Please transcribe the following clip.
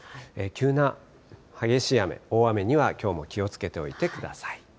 急な激しい雨、大雨にはきょうも気をつけておいてください。